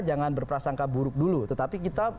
jangan berprasangka buruk dulu tetapi kita